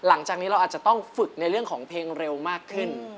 หลังจากนี้เราอาจจะต้องฝึกในเรื่องของเพลงเร็วมากขึ้น